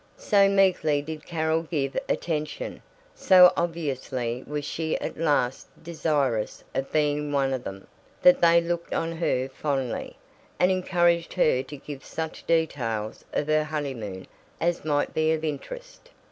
So meekly did Carol give attention, so obviously was she at last desirous of being one of them, that they looked on her fondly, and encouraged her to give such details of her honeymoon as might be of interest.